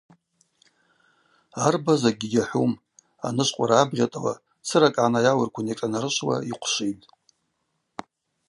Арба закӏгьи гьахӏвум, анышвкъвара абгъьатӏауа, цыракӏ гӏанайауырквын йашӏанарышвуа йхъвшвитӏ.